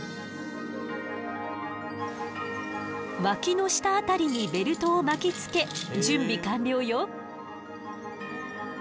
ワキの下辺りにベルトを巻きつけ準備完了よ。